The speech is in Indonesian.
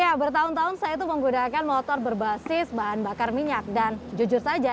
ya bertahun tahun saya itu menggunakan motor berbasis bahan bakar minyak dan jujur saja